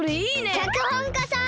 きゃくほんかさん